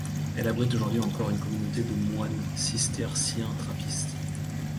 Elle abrite aujourd’hui encore une communauté de moines cisterciens-trappistes.